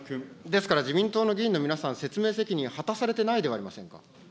ですから自民党の議員の皆さん、説明責任、果たされてないではありませんか。